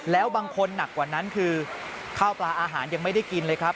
แล้วบางคนหนักกว่านั้นคือข้าวปลาอาหารยังไม่ได้กินเลยครับ